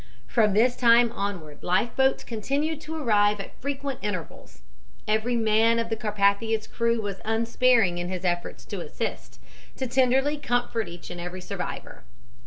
"From this time onward life boats continued to arrive at frequent intervals. Every man of the Carpathia's crew was unsparing in his efforts to assist, to tenderly comfort each and every survivor.